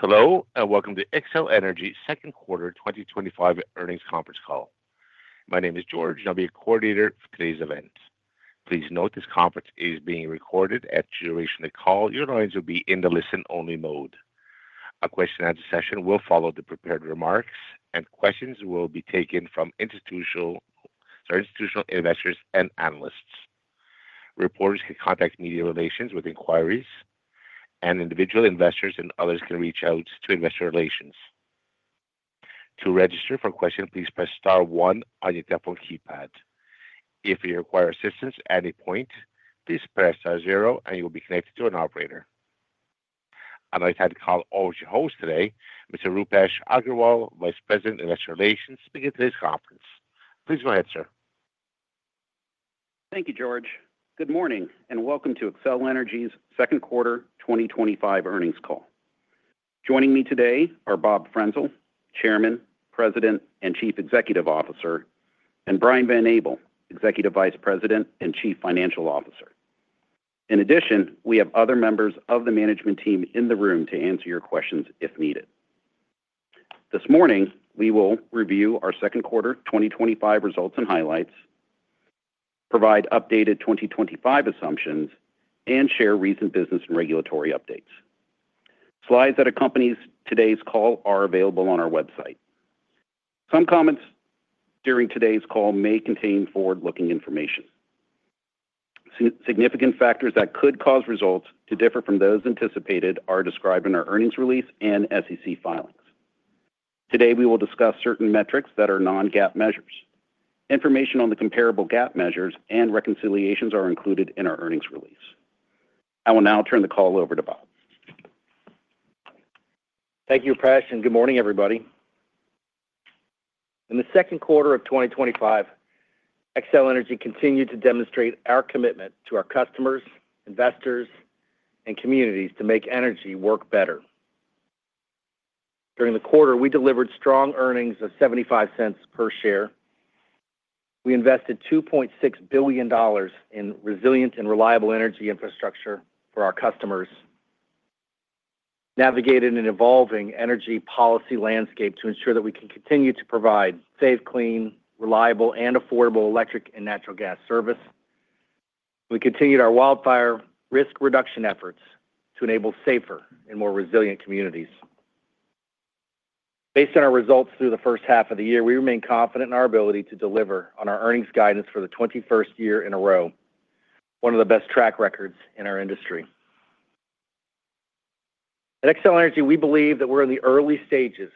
Hello, and welcome to Xcel Energy's Second Quarter 2025 Earnings Conference Call. My name is George, and I'll be your coordinator for today's event. Please note this conference is being recorded, and during the call, your lines will be in the listen-only mode. A question-and-answer session will follow the prepared remarks, and questions will be taken from institutional investors and analysts. Reporters can contact media relations with inquiries, and individual investors and others can reach out to investor relations. To register for a question, please press star one on your telephone keypad. If you require assistance at any point, please press star zero, and you will be connected to an operator. I'd like to add to the call, as always, your host today, Mr. Roopesh Aggarwal, Vice President, Investor Relations, speaking to this conference. Please go ahead, sir. Thank you, George. Good morning, and welcome to Xcel Energy's second quarter 2025 earnings call. Joining me today are Bob Frenzel, Chairman, President, and Chief Executive Officer, and Brian Van Abel, Executive Vice President and Chief Financial Officer. In addition, we have other members of the management team in the room to answer your questions if needed. This morning, we will review our second quarter 2025 results and highlights, provide updated 2025 assumptions, and share recent business and regulatory updates. Slides that accompany today's call are available on our website. Some comments during today's call may contain forward-looking information. Significant factors that could cause results to differ from those anticipated are described in our earnings release and SEC filings. Today, we will discuss certain metrics that are non-GAAP measures. Information on the comparable GAAP measures and reconciliations are included in our earnings release. I will now turn the call over to Bob. Thank you, Roopesh, and good morning, everybody. In the second quarter of 2025, Xcel Energy continued to demonstrate our commitment to our customers, investors, and communities to make energy work better. During the quarter, we delivered strong earnings of $0.75 per share. We invested $2.6 billion in resilient and reliable energy infrastructure for our customers. We navigated an evolving energy policy landscape to ensure that we can continue to provide safe, clean, reliable, and affordable electric and natural gas service. We continued our wildfire risk reduction efforts to enable safer and more resilient communities. Based on our results through the first half of the year, we remain confident in our ability to deliver on our earnings guidance for the 21st year in a row, one of the best track records in our industry. At Xcel Energy, we believe that we're in the early stages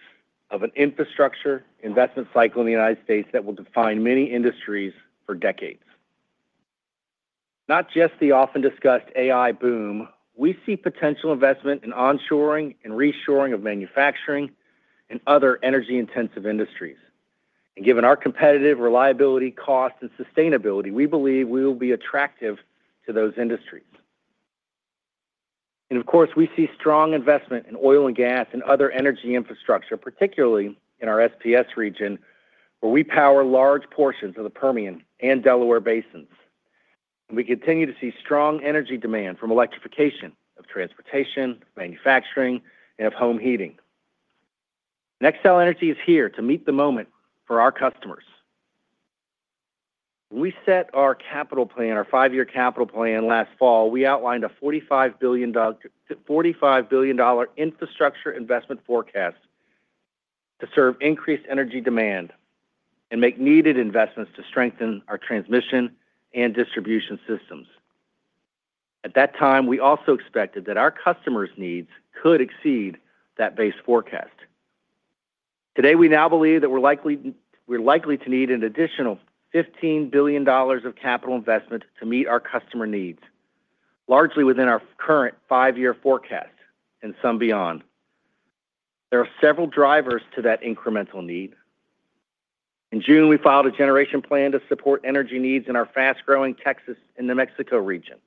of an infrastructure investment cycle in the U.S. that will define many industries for decades. Not just the often-discussed AI boom, we see potential investment in onshoring and reshoring of manufacturing and other energy-intensive industries. Given our competitive reliability, cost, and sustainability, we believe we will be attractive to those industries. We see strong investment in oil and gas and other energy infrastructure, particularly in our SPS region, where we power large portions of the Permian and Delaware basins. We continue to see strong energy demand from electrification of transportation, manufacturing, and of home heating. Xcel Energy is here to meet the moment for our customers. When we set our capital plan, our five-year capital plan last fall, we outlined a $45 billion infrastructure investment forecast to serve increased energy demand and make needed investments to strengthen our transmission and distribution systems. At that time, we also expected that our customers' needs could exceed that base forecast. Today, we now believe that we're likely to need an additional $15 billion of capital investment to meet our customer needs, largely within our current five-year forecast and some beyond. There are several drivers to that incremental need. In June, we filed a generation plan to support energy needs in our fast-growing Texas and New Mexico region.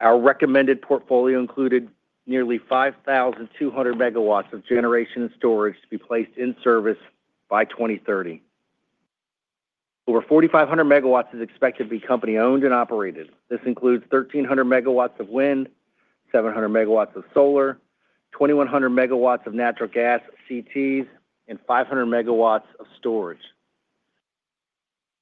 Our recommended portfolio included nearly 5,200 megawatts of generation and storage to be placed in service by 2030. Over 4,500 megawatts is expected to be company-owned and operated. This includes 1,300 megawatts of wind, 700 megawatts of solar, 2,100 megawatts of natural gas CTs, and 500 megawatts of storage.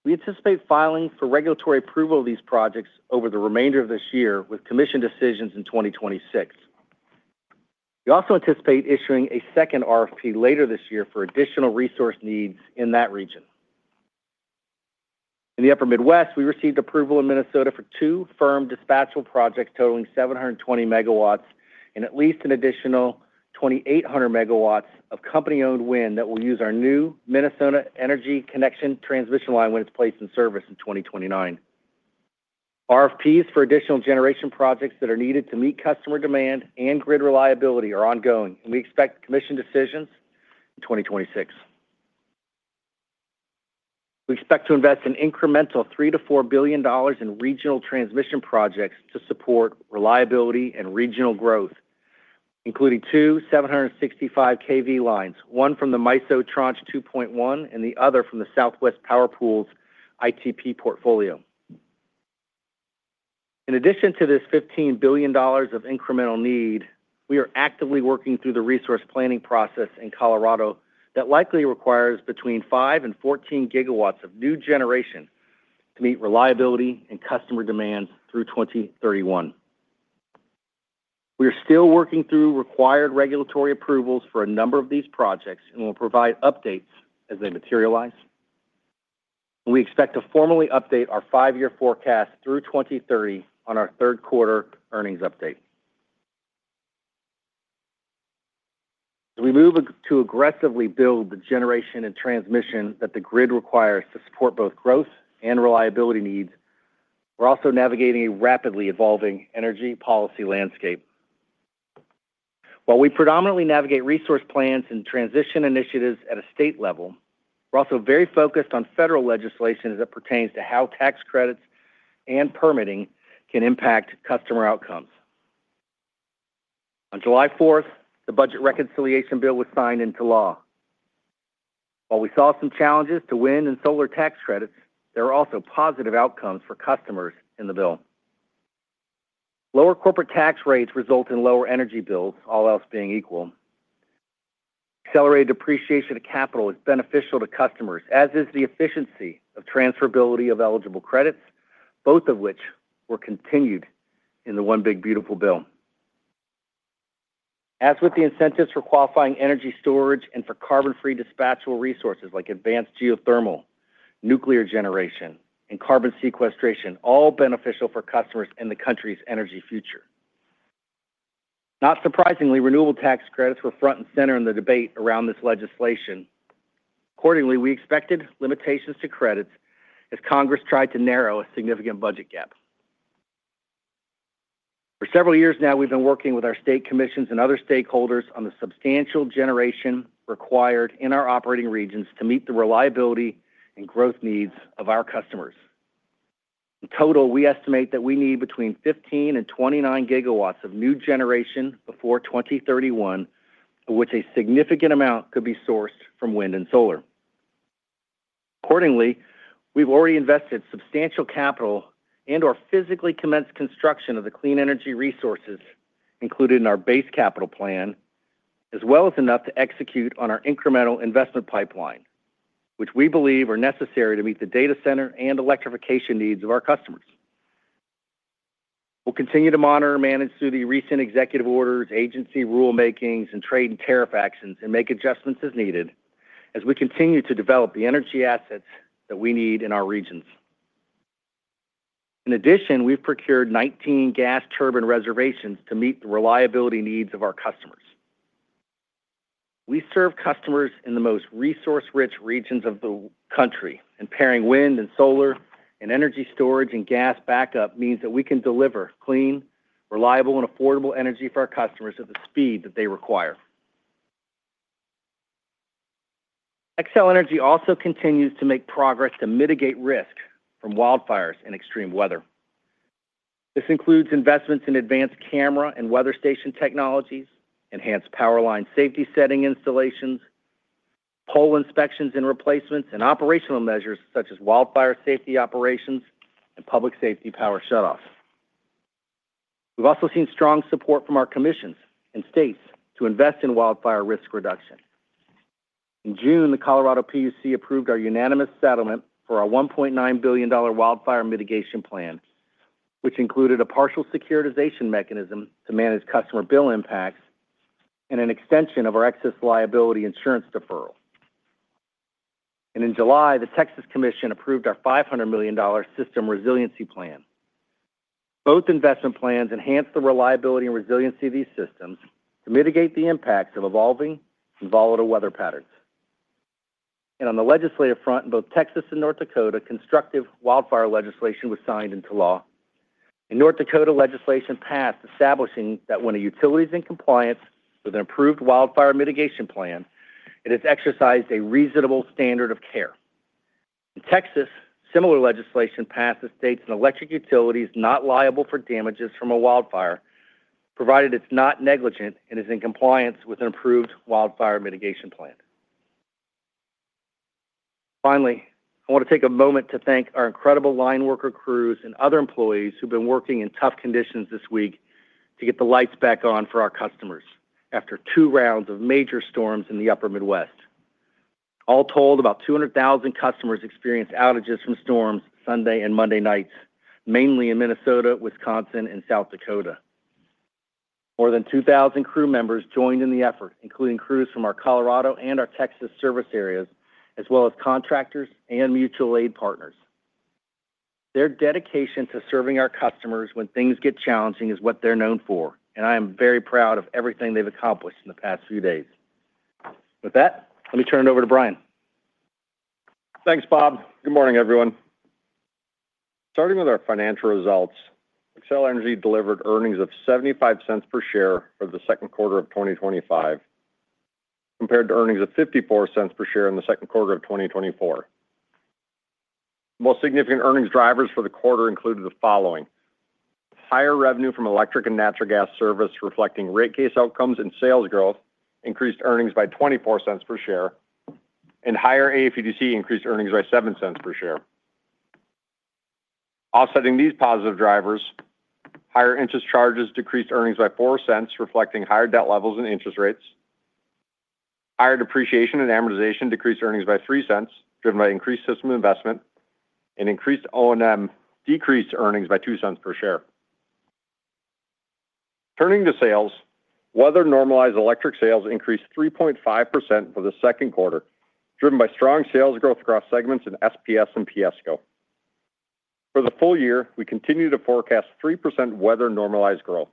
We anticipate filing for regulatory approval of these projects over the remainder of this year, with commission decisions in 2026. We also anticipate issuing a second RFP later this year for additional resource needs in that region. In the Upper Midwest, we received approval in Minnesota for two firm dispatchable projects totaling 720 megawatts and at least an additional 2,800 megawatts of company-owned wind that will use our new Minnesota Energy Connection transmission line when it's placed in service in 2029. RFPs for additional generation projects that are needed to meet customer demand and grid reliability are ongoing, and we expect commission decisions in 2026. We expect to invest an incremental $3 to $4 billion in regional transmission projects to support reliability and regional growth, including two 765kV lines, one from the MISO Tranche 2.1 and the other from the Southwest Power Pool's ITP portfolio. In addition to this $15 billion of incremental need, we are actively working through the resource planning process in Colorado that likely requires between 5 and 14 gigawatts of new generation to meet reliability and customer demand through 2031. We are still working through required regulatory approvals for a number of these projects and will provide updates as they materialize. We expect to formally update our five-year forecast through 2030 on our third quarter earnings update. As we move to aggressively build the generation and transmission that the grid requires to support both growth and reliability needs, we're also navigating a rapidly evolving energy policy landscape. While we predominantly navigate resource plans and transition initiatives at a state level, we're also very focused on federal legislation as it pertains to how tax credits and permitting can impact customer outcomes. On July 4, the Budget Reconciliation Bill was signed into law. While we saw some challenges to wind and solar tax credits, there were also positive outcomes for customers in the bill. Lower corporate tax rates result in lower energy bills, all else being equal. Accelerated depreciation of capital is beneficial to customers, as is the efficiency of transferability of eligible credits, both of which were continued in the One Big Beautiful Bill. As with the incentives for qualifying energy storage and for carbon-free dispatchable resources like advanced geothermal, nuclear generation, and carbon sequestration, all beneficial for customers and the country's energy future. Not surprisingly, renewable tax credits were front and center in the debate around this legislation. Accordingly, we expected limitations to credits as Congress tried to narrow a significant budget gap. For several years now, we've been working with our state commissions and other stakeholders on the substantial generation required in our operating regions to meet the reliability and growth needs of our customers. In total, we estimate that we need between 15 and 29 gigawatts of new generation before 2031, of which a significant amount could be sourced from wind and solar. Accordingly, we've already invested substantial capital and/or physically commenced construction of the clean energy resources included in our base capital plan, as well as enough to execute on our incremental investment pipeline, which we believe are necessary to meet the data center and electrification needs of our customers. We'll continue to monitor and manage through the recent executive orders, agency rulemakings, and trade and tariff actions, and make adjustments as needed as we continue to develop the energy assets that we need in our regions. In addition, we've procured 19 gas turbine reservations to meet the reliability needs of our customers. We serve customers in the most resource-rich regions of the country, and pairing wind and solar and energy storage and gas backup means that we can deliver clean, reliable, and affordable energy for our customers at the speed that they require. Xcel Energy also continues to make progress to mitigate risk from wildfires and extreme weather. This includes investments in advanced camera and weather station technologies, enhanced power line safety setting installations, pole inspections and replacements, and operational measures such as wildfire safety operations and public safety power shutoff. We've also seen strong support from our commissions and states to invest in wildfire risk reduction. In June, the Colorado PUC approved our unanimous settlement for our $1.9 billion wildfire mitigation plan, which included a partial securitization mechanism to manage customer bill impacts and an extension of our excess liability insurance deferral. In July, the Texas Commission approved our $500 million system resiliency plan. Both investment plans enhanced the reliability and resiliency of these systems to mitigate the impacts of evolving and volatile weather patterns. On the legislative front, in both Texas and North Dakota, constructive wildfire legislation was signed into law. In North Dakota, legislation passed establishing that when a utility is in compliance with an approved wildfire mitigation plan, it has exercised a reasonable standard of care. In Texas, similar legislation passed that states an electric utility is not liable for damages from a wildfire, provided it's not negligent and is in compliance with an approved wildfire mitigation plan. Finally, I want to take a moment to thank our incredible line worker crews and other employees who've been working in tough conditions this week to get the lights back on for our customers after two rounds of major storms in the upper Midwest. All told, about 200,000 customers experienced outages from storms Sunday and Monday nights, mainly in Minnesota, Wisconsin, and South Dakota. More than 2,000 crew members joined in the effort, including crews from our Colorado and our Texas service areas, as well as contractors and mutual aid partners. Their dedication to serving our customers when things get challenging is what they're known for, and I am very proud of everything they've accomplished in the past few days. With that, let me turn it over to Brian. Thanks, Bob. Good morning, everyone. Starting with our financial results, Xcel Energy delivered earnings of $0.75 per share for the second quarter of 2025, compared to earnings of $0.54 per share in the second quarter of 2024. The most significant earnings drivers for the quarter included the following. Higher revenue from electric and natural gas service, reflecting rate case outcomes and sales growth, increased earnings by $0.24 per share, and higher AFUDC increased earnings by $0.07 per share. Offsetting these positive drivers, higher interest charges decreased earnings by $0.04, reflecting higher debt levels and interest rates. Higher depreciation and amortization decreased earnings by $0.03, driven by increased system investment, and increased O&M decreased earnings by $0.02 per share. Turning to sales, weather-normalized electric sales increased 3.5% for the second quarter, driven by strong sales growth across segments in SPS and PSCo. For the full year, we continue to forecast 3% weather-normalized growth.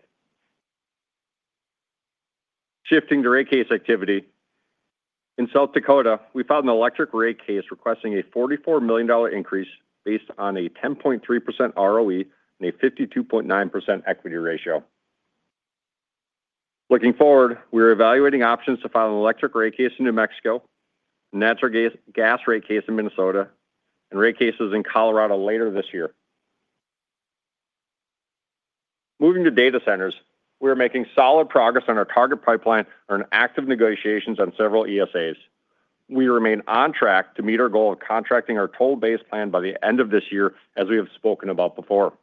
Shifting to rate case activity, in South Dakota, we filed an electric rate case requesting a $44 million increase based on a 10.3% ROE and a 52.9% equity ratio. Looking forward, we are evaluating options to file an electric rate case in New Mexico, a natural gas rate case in Minnesota, and rate cases in Colorado later this year. Moving to data centers, we are making solid progress on our target pipeline and are in active negotiations on several ESAs. We remain on track to meet our goal of contracting our toll-based plan by the end of this year, as we have spoken about before.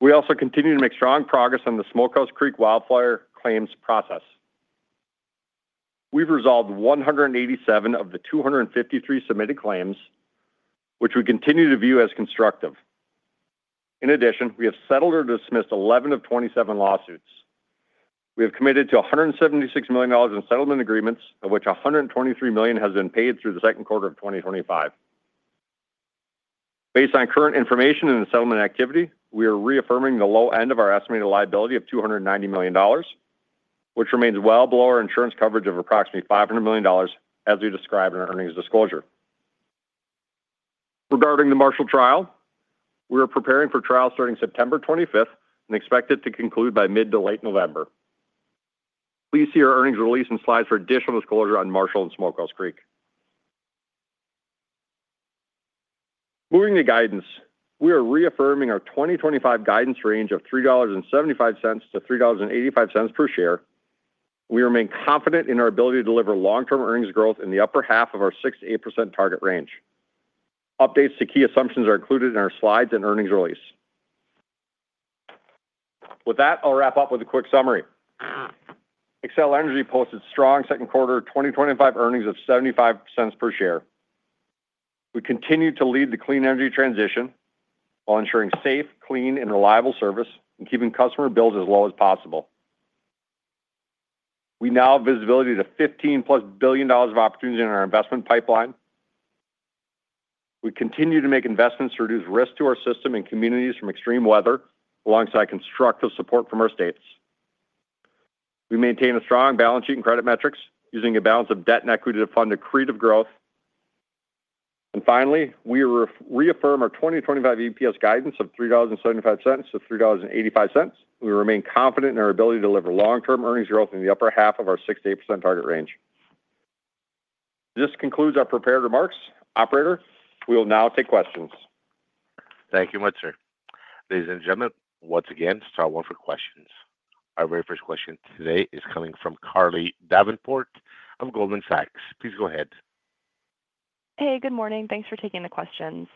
We also continue to make strong progress on the Smokehouse Creek wildfire claims process. We've resolved 187 of the 253 submitted claims, which we continue to view as constructive. In addition, we have settled or dismissed 11 of 27 lawsuits. We have committed to $176 million in settlement agreements, of which $123 million has been paid through the second quarter of 2025. Based on current information and the settlement activity, we are reaffirming the low end of our estimated liability of $290 million, which remains well below our insurance coverage of approximately $500 million, as we described in our earnings disclosure. Regarding the Marshall trial, we are preparing for trial starting September 25th and expected to conclude by mid to late November. Please see our earnings release and slides for additional disclosure on Marshall and Smokehouse Creek. Moving to guidance, we are reaffirming our 2025 guidance range of $3.75 to $3.85 per share. We remain confident in our ability to deliver long-term earnings growth in the upper half of our 6 to 8% target range. Updates to key assumptions are included in our slides and earnings release. With that, I'll wrap up with a quick summary. Xcel Energy posted strong second quarter 2025 earnings of $0.75 per share. We continue to lead the clean energy transition while ensuring safe, clean, and reliable service and keeping customer bills as low as possible. We now have visibility to $15 billion plus of opportunities in our investment pipeline. We continue to make investments to reduce risk to our system and communities from extreme weather alongside constructive support from our states. We maintain a strong balance sheet and credit metrics using a balance of debt and equity to fund accretive growth. Finally, we reaffirm our 2025 EPS guidance of $3.75 to $3.85, and we remain confident in our ability to deliver long-term earnings growth in the upper half of our 6 to 8% target range. This concludes our prepared remarks. Operator, we will now take questions. Thank you much, sir. Ladies and gentlemen, once again, it's time for questions. Our very first question today is coming from Carly Davenport of Goldman Sachs. Please go ahead. Hey, good morning. Thanks for taking the questions.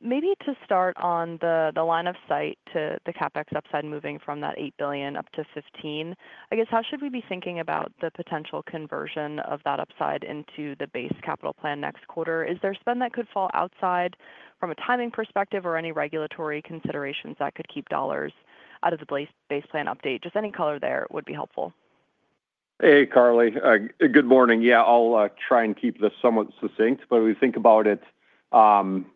Maybe to start on the line of sight to the CapEx upside moving from that $8 billion up to $15 billion, I guess, how should we be thinking about the potential conversion of that upside into the base capital plan next quarter? Is there spend that could fall outside from a timing perspective or any regulatory considerations that could keep dollars out of the base plan update? Just any color there would be helpful. Hey, Carly. Good morning. I'll try and keep this somewhat succinct. When we think about it, the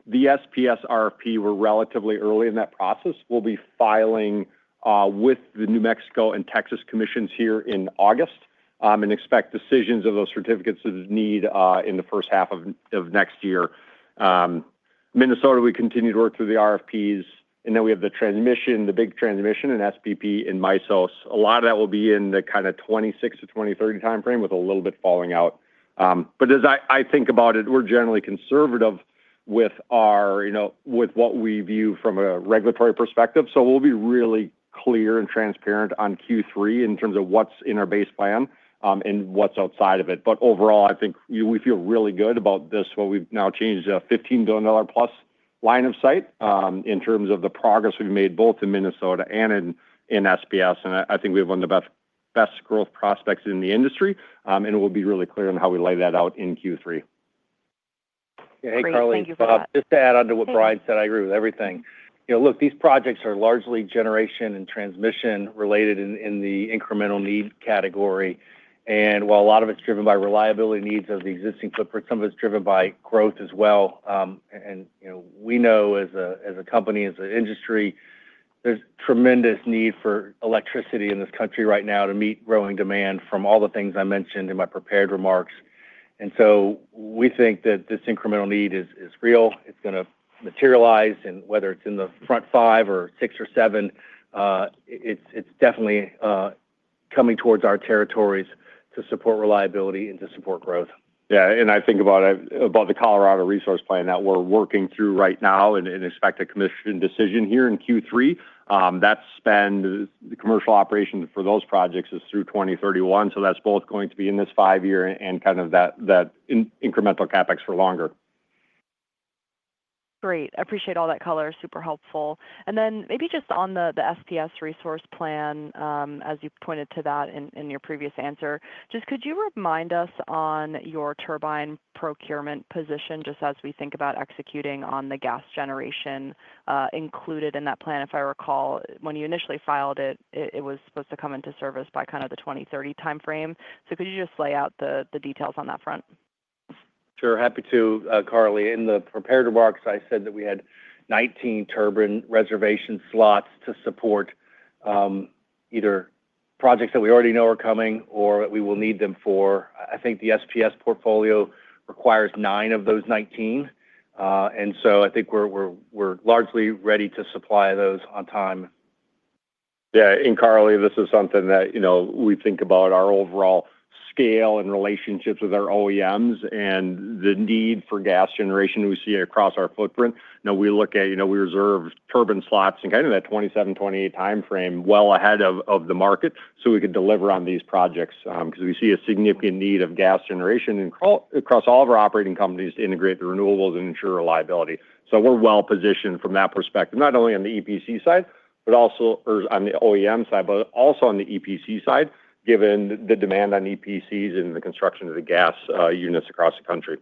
SPS RFP, we're relatively early in that process. We'll be filing with the New Mexico and Texas commissions here in August and expect decisions of those certificates that need in the first half of next year. Minnesota, we continue to work through the RFPs, and then we have the transmission, the big transmission in SPP and MISO. A lot of that will be in the kind of 2026 to 2030 timeframe, with a little bit falling out. As I think about it, we're generally conservative with what we view from a regulatory perspective. We'll be really clear and transparent on Q3 in terms of what's in our base plan and what's outside of it. Overall, I think we feel really good about this, what we've now changed to a $15 billion plus line of sight in terms of the progress we've made both in Minnesota and in SPS. I think we have one of the best growth prospects in the industry, and we'll be really clear on how we lay that out in Q3. Yeah, hey, Carly. Thank you so much. Bob, just to add on to what Brian said, I agree with everything. Look, these projects are largely generation and transmission related in the incremental need category. While a lot of it's driven by reliability needs of the existing footprint, some of it's driven by growth as well. We know as a company, as an industry, there's tremendous need for electricity in this country right now to meet growing demand from all the things I mentioned in my prepared remarks. We think that this incremental need is real. It's going to materialize, and whether it's in the front five or six or seven, it's definitely coming towards our territories to support reliability and to support growth. Yeah, I think about the Colorado resource plan that we're working through right now and expect a commission decision here in Q3. That spend, the commercial operations for those projects, is through 2031. That's both going to be in this five-year and kind of that incremental CapEx for longer. Great. Appreciate all that color. Super helpful. Maybe just on the SPS resource plan, as you pointed to that in your previous answer, could you remind us on your turbine procurement position just as we think about executing on the gas generation. Included in that plan, if I recall, when you initially filed it, it was supposed to come into service by kind of the 2030 timeframe. Could you just lay out the details on that front? Sure, happy to, Carly. In the prepared remarks, I said that we had 19 turbine reservation slots to support either projects that we already know are coming or that we will need them for. I think the SPS portfolio requires nine of those 19, and I think we're largely ready to supply those on time. Yeah, Carly, this is something that we think about, our overall scale and relationships with our OEMs and the need for gas generation we see across our footprint. We look at, we reserve turbine slots in kind of that 2027, 2028 timeframe well ahead of the market so we can deliver on these projects because we see a significant need of gas generation across all of our operating companies to integrate the renewables and ensure reliability. We're well positioned from that perspective, not only on the EPC side, but also on the OEM side, given the demand on EPCs and the construction of the gas units across the country.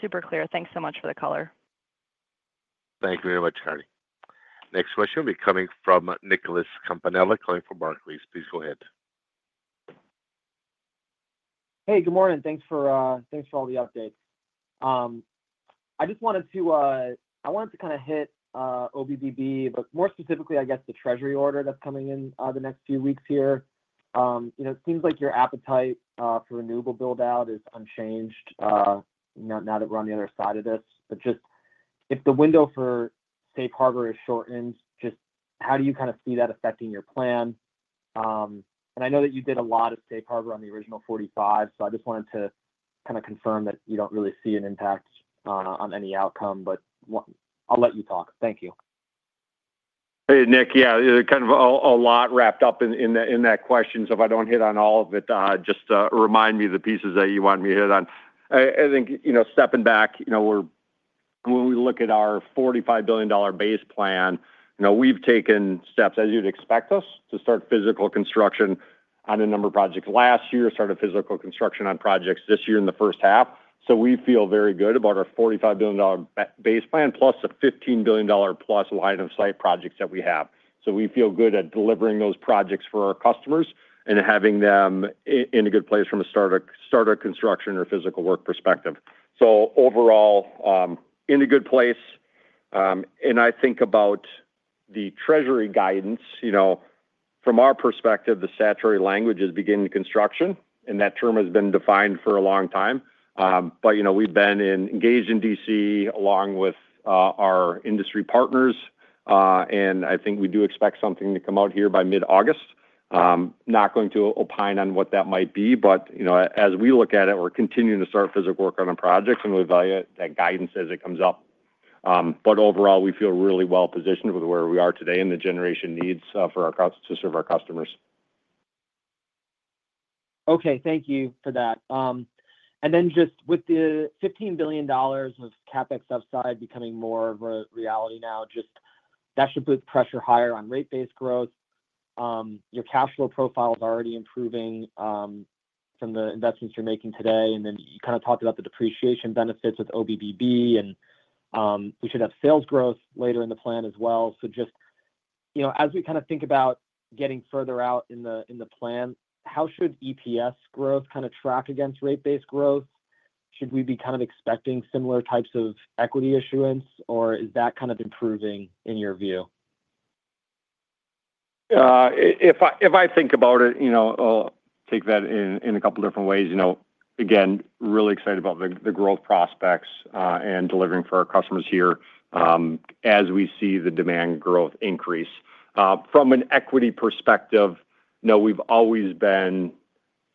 Super clear. Thanks so much for the color. Thank you very much, Carly. Next question will be coming from Nicholas Campanella, calling from Barclays. Please go ahead. Hey, good morning. Thanks for all the updates. I just wanted to kind of hit OBBB, but more specifically, I guess, the Treasury order that's coming in the next few weeks here. It seems like your appetite for renewable buildout is unchanged now that we're on the other side of this. If the window for safe harbor is shortened, how do you kind of see that affecting your plan? I know that you did a lot of safe harbor on the original 45, so I just wanted to kind of confirm that you don't really see an impact on any outcome, but I'll let you talk. Thank you. Hey, Nick, yeah, kind of a lot wrapped up in that question. If I don't hit on all of it, just remind me of the pieces that you want me to hit on. I think stepping back, when we look at our $45 billion base plan, we've taken steps, as you'd expect us, to start physical construction on a number of projects last year, started physical construction on projects this year in the first half. We feel very good about our $45 billion base plan plus the $15 billion plus line of sight projects that we have. We feel good at delivering those projects for our customers and having them in a good place from a startup construction or physical work perspective. Overall, in a good place. I think about the Treasury guidance. From our perspective, the saturated language is beginning construction, and that term has been defined for a long time. We've been engaged in D.C. along with our industry partners. I think we do expect something to come out here by mid-August. Not going to opine on what that might be, but as we look at it, we're continuing to start physical work on our projects, and we'll evaluate that guidance as it comes up. Overall, we feel really well positioned with where we are today and the generation needs for our customers to serve our customers. Okay, thank you for that. With the $15 billion of CapEx upside becoming more of a reality now, that should put pressure higher on rate base growth. Your cash flow profile is already improving from the investments you're making today. You kind of talked about the depreciation benefits with OBBB, and we should have sales growth later in the plan as well. As we kind of think about getting further out in the plan, how should EPS growth kind of track against rate base growth? Should we be kind of expecting similar types of equity issuance, or is that kind of improving in your view? If I think about it, I'll take that in a couple of different ways. Again, really excited about the growth prospects and delivering for our customers here as we see the demand growth increase. From an equity perspective, we've always been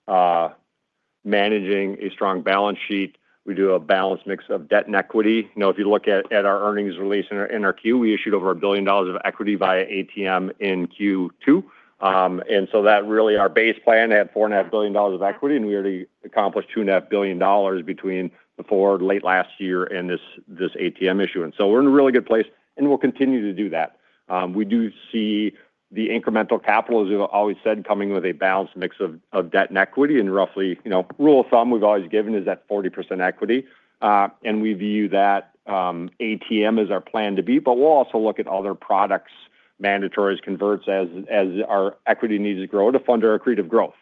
managing a strong balance sheet. We do a balanced mix of debt and equity. If you look at our earnings release in our Q, we issued over $1 billion of equity via ATM in Q2. That really, our base plan had $4.5 billion of equity, and we already accomplished $2.5 billion between the forward, late last year, and this ATM issue. We're in a really good place, and we'll continue to do that. We do see the incremental capital, as we've always said, coming with a balanced mix of debt and equity. Roughly, rule of thumb we've always given is that 40% equity. We view that ATM as our plan to be, but we'll also look at other products, mandatories, converts as our equity needs to grow to fund our accretive growth.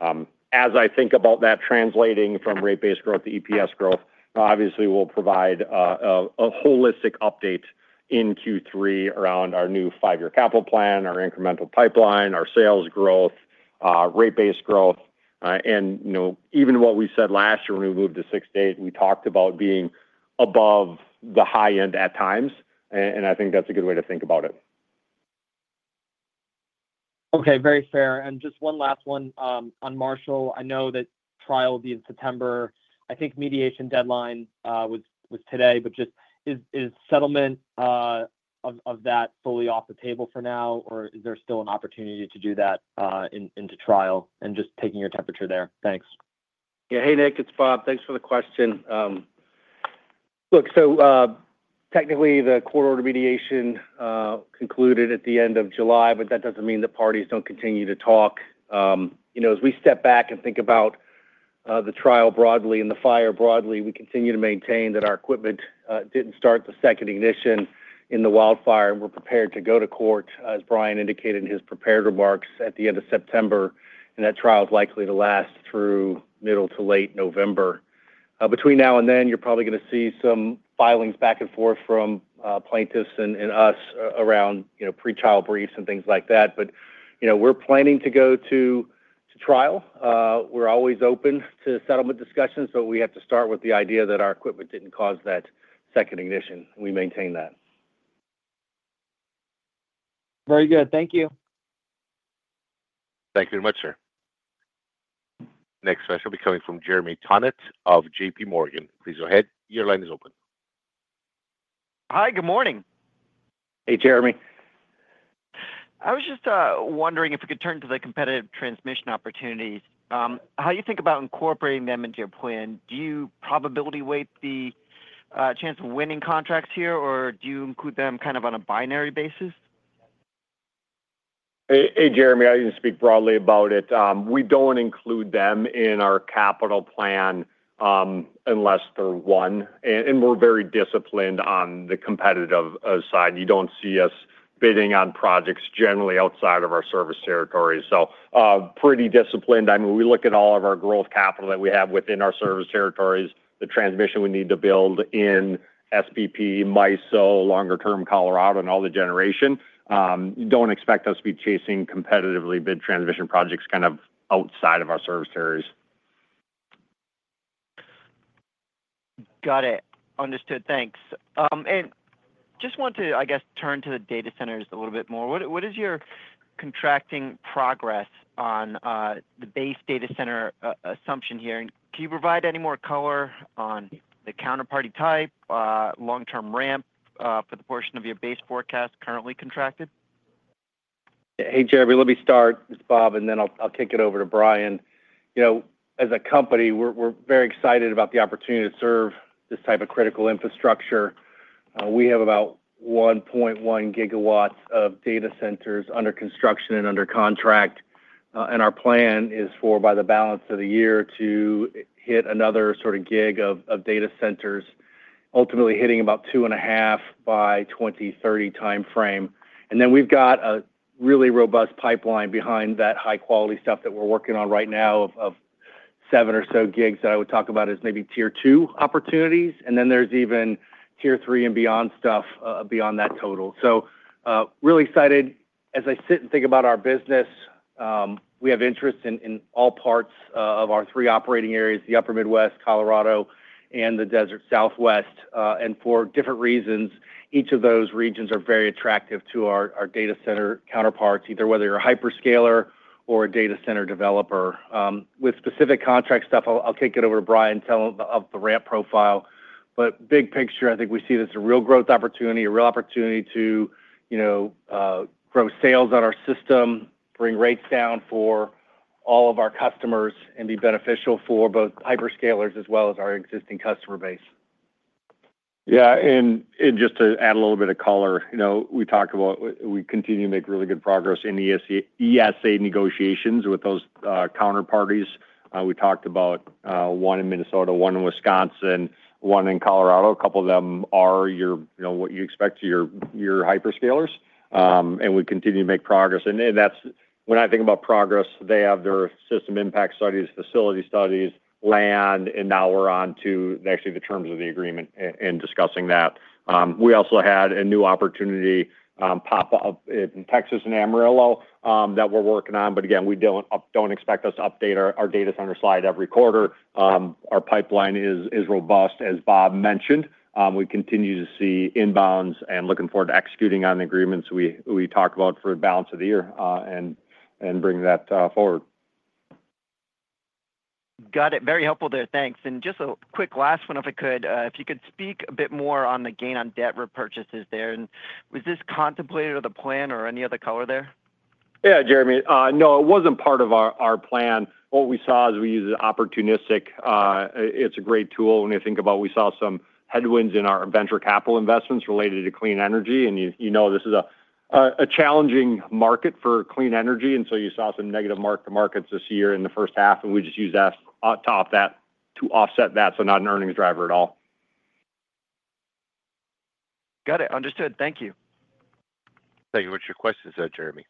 As I think about that translating from rate base growth to EPS growth, obviously, we'll provide a holistic update in Q3 around our new five-year capital plan, our incremental pipeline, our sales growth, rate base growth. Even what we said last year when we moved to 6 to 8, we talked about being above the high end at times. I think that's a good way to think about it. Okay, very fair. Just one last one on Marshall. I know that trial will be in September. I think mediation deadline was today, but just is settlement of that fully off the table for now, or is there still an opportunity to do that into trial? Just taking your temperature there. Thanks. Yeah, hey, Nick, it's Bob. Thanks for the question. Technically, the court-ordered mediation concluded at the end of July, but that doesn't mean the parties don't continue to talk. As we step back and think about the trial broadly and the fire broadly, we continue to maintain that our equipment didn't start the second ignition in the wildfire, and we're prepared to go to court, as Brian indicated in his prepared remarks at the end of September. That trial is likely to last through middle to late November. Between now and then, you're probably going to see some filings back and forth from plaintiffs and us around pretrial briefs and things like that. We're planning to go to trial. We're always open to settlement discussions, but we have to start with the idea that our equipment didn't cause that second ignition. We maintain that. Very good. Thank you. Thank you very much, sir. Next question will be coming from Jeremy Tonet of JPMorgan. Please go ahead. Your line is open. Hi, good morning. Hey, Jeremy. I was just wondering if we could turn to the competitive transmission opportunities. How do you think about incorporating them into your plan? Do you probability weight the chance of winning contracts here, or do you include them kind of on a binary basis? Hey, Jeremy, I didn't speak broadly about it. We don't include them in our capital plan unless they're one. We're very disciplined on the competitive side. You don't see us bidding on projects generally outside of our service territory. Pretty disciplined. We look at all of our growth capital that we have within our service territories, the transmission we need to build in SPP, MISO, longer-term Colorado, and all the generation. You don't expect us to be chasing competitively bid transmission projects outside of our service areas. Got it. Understood. Thanks. I just want to, I guess, turn to the data centers a little bit more. What is your contracting progress on the base data center assumption here? Can you provide any more color on the counterparty type, long-term ramp for the portion of your base forecast currently contracted? Hey, Jeremy, let me start with Bob, and then I'll kick it over to Brian. As a company, we're very excited about the opportunity to serve this type of critical infrastructure. We have about 1.1 gigawatts of data centers under construction and under contract. Our plan is for, by the balance of the year, to hit another sort of gig of data centers, ultimately hitting about 2.5 by the 2030 timeframe. We've got a really robust pipeline behind that, high-quality stuff that we're working on right now. Seven or so gigs that I would talk about as maybe tier two opportunities. There's even tier three and beyond stuff beyond that total. Really excited. As I sit and think about our business, we have interests in all parts of our three operating areas, the Upper Midwest, Colorado, and the Desert Southwest. For different reasons, each of those regions are very attractive to our data center counterparts, whether you're a hyperscaler or a data center developer. With specific contract stuff, I'll kick it over to Brian and tell him about the ramp profile. Big picture, I think we see this as a real growth opportunity, a real opportunity to grow sales on our system, bring rates down for all of our customers, and be beneficial for both hyperscalers as well as our existing customer base. Yeah, and just to add a little bit of color, we talked about we continue to make really good progress in ESA negotiations with those counterparties. We talked about one in Minnesota, one in Wisconsin, one in Colorado. A couple of them are what you expect to your hyperscalers. We continue to make progress. When I think about progress, they have their system impact studies, facility studies, land, and now we're on to actually the terms of the agreement and discussing that. We also had a new opportunity pop up in Texas and Amarillo that we're working on. We don't expect us to update our data center slide every quarter. Our pipeline is robust, as Bob mentioned. We continue to see inbounds and looking forward to executing on the agreements we talked about for the balance of the year and bring that forward. Got it. Very helpful there. Thanks. Just a quick last one, if I could. If you could speak a bit more on the gain on debt repurchases there. Was this contemplated or the plan or any other color there? Yeah, Jeremy. No, it wasn't part of our plan. What we saw is we use it opportunistic. It's a great tool. When you think about it, we saw some headwinds in our venture capital investments related to clean energy. You know this is a challenging market for clean energy. You saw some negative market markets this year in the first half. We just used that to offset that. Not an earnings driver at all. Got it. Understood. Thank you. Thank you. What's your question, sir? Jeremy,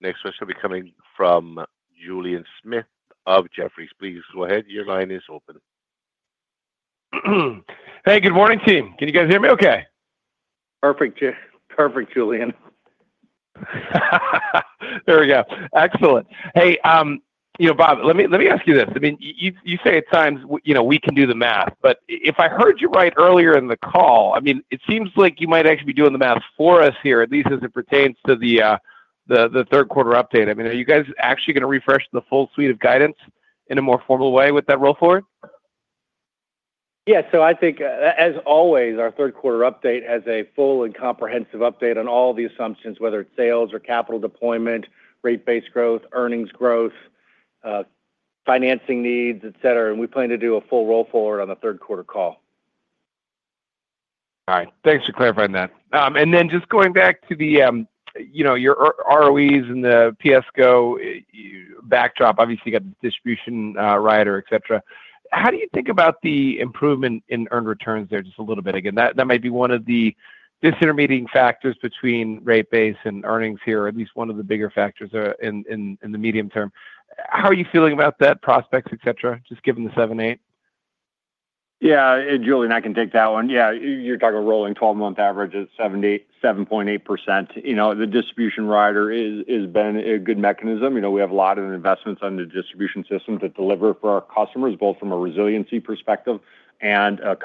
next question will be coming Julien Dumoulin-Smith of Jefferies. Please go ahead. Your line is open. Hey, good morning, team. Can you guys hear me okay? Perfect. Perfect, Julien. There we go. Excellent. Hey. Bob, let me ask you this. I mean, you say at times we can do the math. If I heard you right earlier in the call, it seems like you might actually be doing the math for us here, at least as it pertains to the third quarter update. Are you guys actually going to refresh the full suite of guidance in a more formal way with that roll forward? Yeah. I think, as always, our third quarter update has a full and comprehensive update on all the assumptions, whether it's sales or capital deployment, rate base growth, earnings growth, financing needs, etc. We plan to do a full roll forward on the third quarter call. All right. Thanks for clarifying that. Just going back to your ROEs and the PSCo backdrop, obviously, you got the distribution rider, etc. How do you think about the improvement in earned returns there just a little bit? That might be one of the disintermediating factors between rate base and earnings here, or at least one of the bigger factors in the medium term. How are you feeling about that? Prospects, etc., just given the 7.8%? Yeah. Julien, I can take that one. You're talking about rolling 12-month averages at 7.8%. The distribution rider has been a good mechanism. We have a lot of investments on the distribution system to deliver for our customers, both from a resiliency perspective and a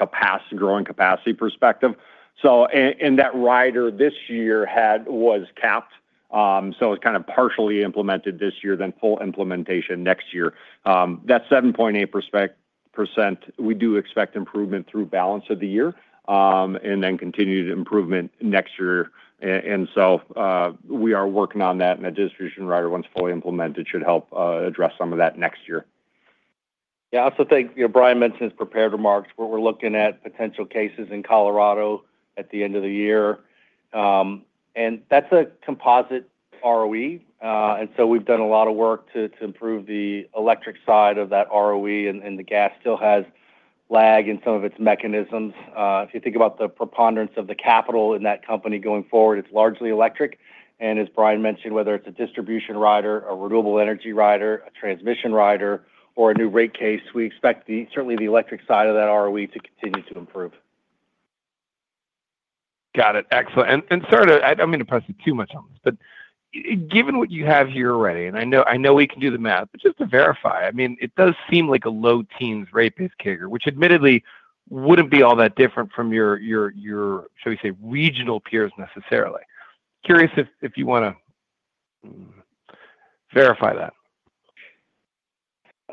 growing capacity perspective. That rider this year was capped, so it was kind of partially implemented this year, then full implementation next year. That 7.8%. We do expect improvement through balance of the year and then continued improvement next year. We are working on that, and the distribution rider, once fully implemented, should help address some of that next year. Thank you. Brian mentioned his prepared remarks. We're looking at potential cases in Colorado at the end of the year, and that's a composite ROE. We've done a lot of work to improve the electric side of that ROE, and the gas still has lag in some of its mechanisms. If you think about the preponderance of the capital in that company going forward, it's largely electric. As Brian mentioned, whether it's a distribution rider, a renewable energy rider, a transmission rider, or a new rate case, we expect certainly the electric side of that ROE to continue to improve. Got it. Excellent. Sorry to—I don't mean to press too much on this—but given what you have here already, and I know we can do the math, but just to verify, it does seem like a low teens rate-based carrier, which admittedly wouldn't be all that different from your, shall we say, regional peers necessarily. Curious if you want to verify that.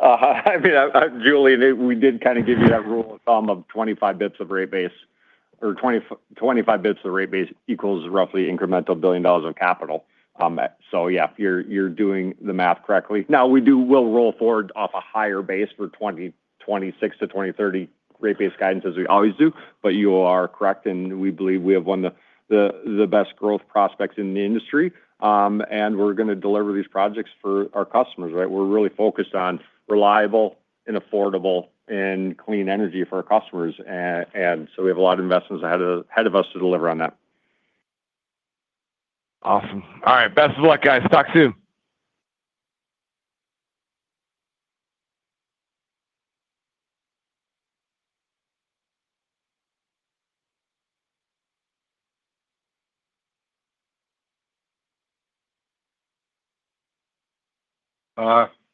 I mean, Julien, we did kind of give you that rule of thumb of 25 bps of rate base, or 25 bps of rate base equals roughly incremental $1 billion of capital. Yeah, you're doing the math correctly. We will roll forward off a higher base for 2026 to 2030 rate base guidance as we always do. You are correct. We believe we have one of the best growth prospects in the industry. We're going to deliver these projects for our customers, right? We're really focused on reliable and affordable and clean energy for our customers. We have a lot of investments ahead of us to deliver on that. Awesome. All right. Best of luck, guys. Talk soon.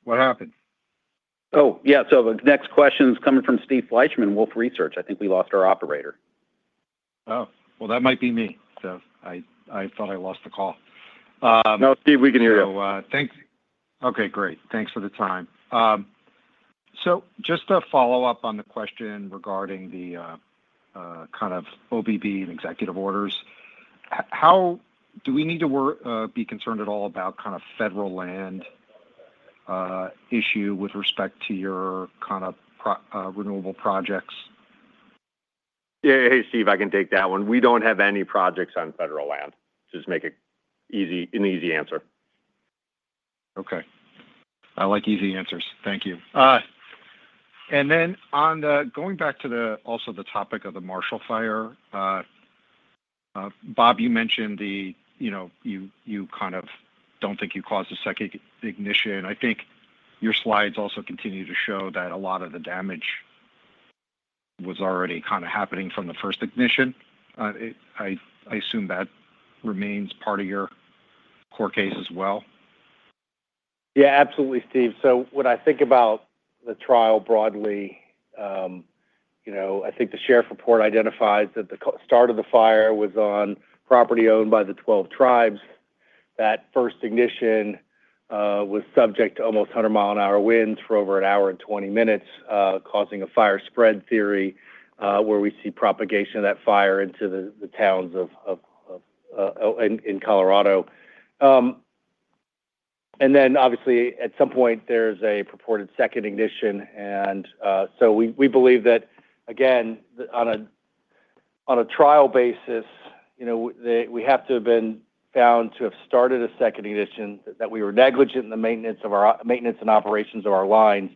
What happened? The next question is coming from Steve Fleishman, Wolfe Research. I think we lost our operator. Oh, that might be me. I thought I lost the call. No, Steve, we can hear you. Okay, great. Thanks for the time. Just to follow up on the question regarding the kind of OBBB and executive orders, do we need to be concerned at all about kind of federal land issue with respect to your kind of renewable projects? Yeah. Hey, Steve, I can take that one. We don't have any projects on federal land. Just make it an easy answer. Okay. I like easy answers. Thank you. Going back to also the topic of the Marshall Fire, Bob, you mentioned you kind of don't think you caused a second ignition. I think your slides also continue to show that a lot of the damage was already kind of happening from the first ignition. I assume that remains part of your core case as well. Yeah, absolutely, Steve. When I think about the trial broadly, I think the sheriff report identifies that the start of the fire was on property owned by the Twelve Tribes. That first ignition was subject to almost 100-mile-an-hour winds for over an hour and 20 minutes, causing a fire spread theory where we see propagation of that fire into the towns in Colorado. Obviously, at some point, there's a purported second ignition. We believe that, again, on a trial basis, we have to have been found to have started a second ignition, that we were negligent in the maintenance and operations of our lines.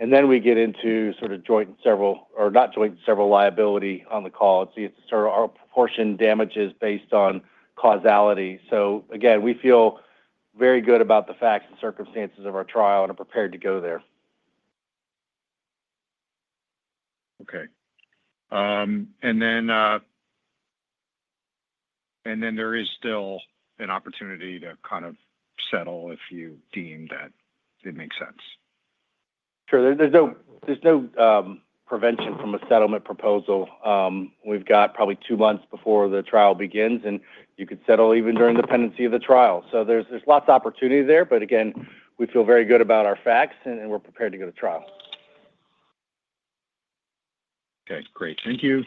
We get into sort of joint and several, or not joint and several, liability on the call. It's sort of our portion damages based on causality. We feel very good about the facts and circumstances of our trial and are prepared to go there. There is still an opportunity to kind of settle if you deem that it makes sense. Sure. There is no prevention from a settlement proposal. We have probably two months before the trial begins, and you could settle even during the pendency of the trial. There is lots of opportunity there. Again, we feel very good about our facts, and we're prepared to go to trial. Okay. Great. Thank you.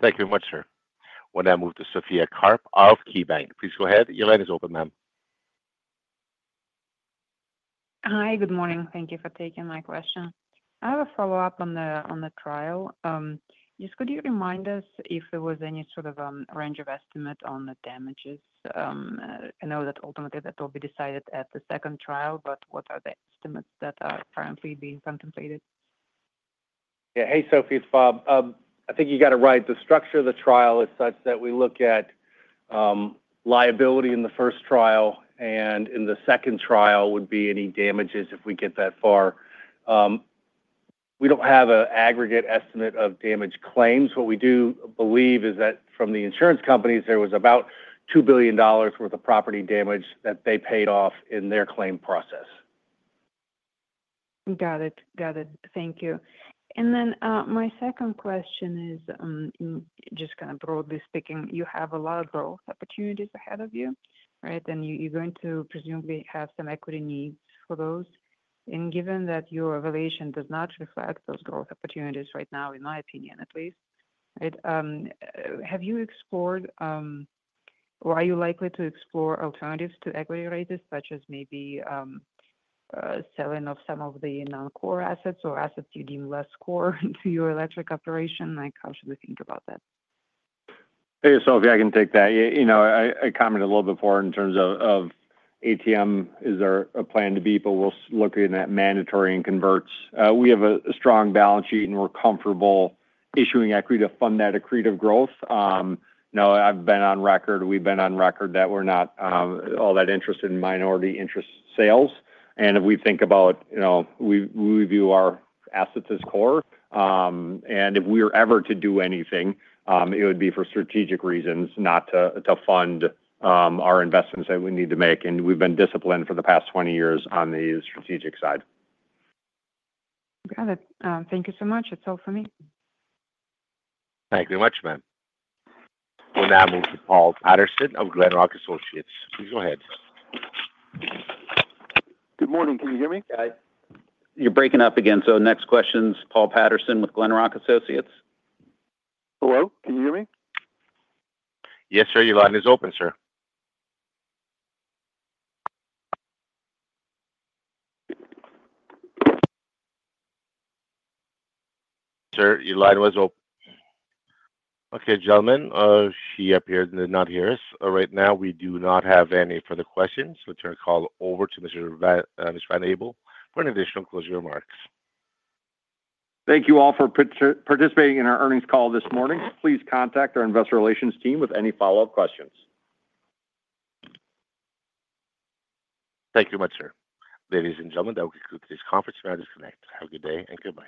Thank you very much, sir. Want to move to Sophie Karp of KeyBanc. Please go ahead. Your line is open, ma'am. Hi. Good morning. Thank you for taking my question. I have a follow-up on the trial. Could you remind us if there was any sort of range of estimate on the damages? I know that ultimately that will be decided at the second trial, but what are the estimates that are currently being contemplated? Yeah. Hey, Sophie, it's Bob. I think you got it right. The structure of the trial is such that we look at liability in the first trial, and in the second trial would be any damages if we get that far. We don't have an aggregate estimate of damage claims. What we do believe is that from the insurance companies, there was about $2 billion worth of property damage that they paid off in their claim process. Got it. Thank you. My second question is, just kind of broadly speaking, you have a lot of growth opportunities ahead of you, right? You're going to presumably have some equity needs for those. Given that your evaluation does not reflect those growth opportunities right now, in my opinion at least, have you explored or are you likely to explore alternatives to equity raises, such as maybe selling some of the non-core assets or assets you deem less core to your electric operation? How should we think about that? Hey, Sophie, I can take that. I commented a little before in terms of ATM. Is there a plan to be? We'll look in that mandatory and converts. We have a strong balance sheet, and we're comfortable issuing equity to fund that accretive growth. I've been on record. We've been on record that we're not all that interested in minority interest sales. We view our assets as core. If we were ever to do anything, it would be for strategic reasons, not to fund our investments that we need to make. We've been disciplined for the past 20 years on the strategic side. Got it. Thank you so much. That's all for me. Thank you very much, ma'am. We'll now move to Paul Patterson of Glenrock Associates. Please go ahead. Good morning. Can you hear me? Hi. You're breaking up again. Next question is Paul Patterson with Glenrock Associates. Hello. Can you hear me? Yes, sir. Your line is open, sir. Sir, your line was open. Okay, gentlemen. She appeared and did not hear us. Right now, we do not have any further questions. We'll turn the call over to Mr. Van Abel for additional closing remarks. Thank you all for participating in our earnings call this morning. Please contact our Investor Relations team with any follow-up questions. Thank you very much, sir. Ladies and gentlemen, that will conclude today's conference. May I disconnect? Have a good day and goodbye.